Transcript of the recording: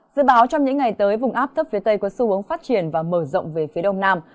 dự báo trong những ngày tới vùng áp thấp phía tây có xu hướng phát triển và mở rộng về phía đông nam